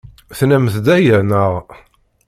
Tennamt-d aya, naɣ?